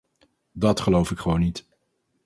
Dat geloof ik gewoon niet.